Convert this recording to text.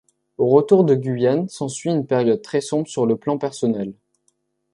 Au retour de Guyane s'ensuit une période très sombre sur le plan personnel.